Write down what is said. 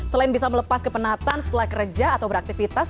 selain bisa melepas kepenatan setelah kerja atau beraktivitas